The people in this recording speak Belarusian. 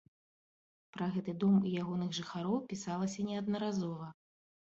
Пра гэты дом і ягоных жыхароў пісалася неаднаразова.